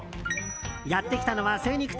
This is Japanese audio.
やってきたのは精肉店。